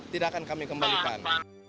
tidak akan kami kembalikan